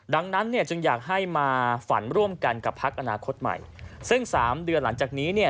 ดังนั้นเนี่ยจึงอยากให้มาฝันร่วมกันกับพักอนาคตใหม่ซึ่งสามเดือนหลังจากนี้เนี่ย